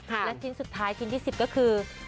และชิ้นสุดท้ายชิ้นที่๑๐ก็คือ